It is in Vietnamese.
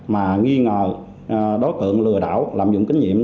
mà nghi ngờ đối cận lừa đảo lạm dụng kinh nghiệm